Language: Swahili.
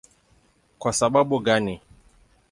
Kwa sababu gani?